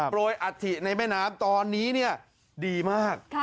อัฐิในแม่น้ำตอนนี้ดีมาก